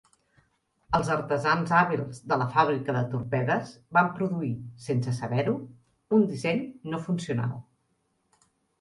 Els artesans hàbils de la fàbrica de torpedes van produir, sense saber-ho, un disseny no funcional.